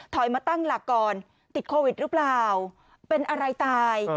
มาตั้งหลักก่อนติดโควิดหรือเปล่าเป็นอะไรตาย